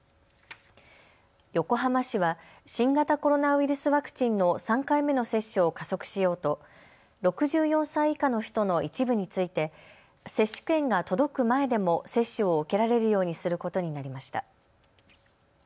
横浜市は新型コロナウイルスワクチンの３回目の接種を加速しようと６４歳以下の人の一部について接種券が届く前でも接種を受けられるようにすることになりました。